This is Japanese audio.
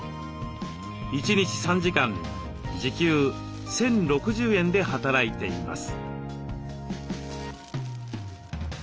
１日３時間時給１，０６０円で働いています。